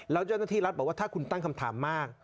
แล้วเจ้าหน้าที่รัฐบอกว่าถ้าคุณตั้งคำถามมาก